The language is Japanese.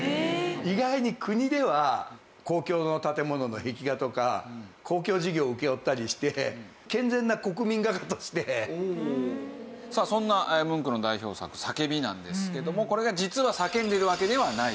意外に国では公共の建物の壁画とか公共事業を請け負ったりして健全な国民画家として。さあそんなムンクの代表作『叫び』なんですけどもこれが実は叫んでいるわけではないと。